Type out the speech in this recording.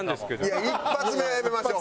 いや１発目はやめましょう。